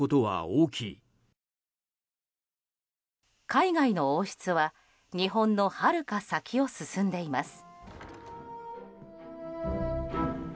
海外の王室は日本のはるか先を進んでいます。